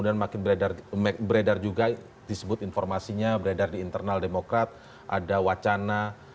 deketan di kawasan